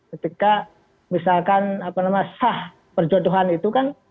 ketika misalkan apa namanya sah perjodohan itu kan